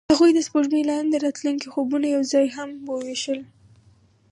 هغوی د سپوږمۍ لاندې د راتلونکي خوبونه یوځای هم وویشل.